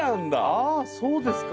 あそうですか。